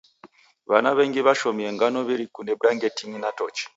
W'ana w'engi w'ashomie ngano w'irikunde brangetinyi na tochi.